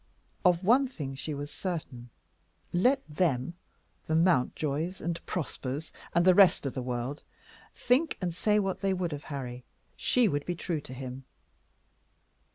Of one thing she was certain: let them, the Mountjoys, and Prospers, and the rest of the world, think and say what they would of Harry, she would be true to him.